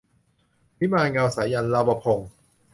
วิมานเงา - สายัณห์ ลวพงศ์